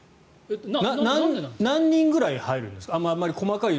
何人くらい入るんですか？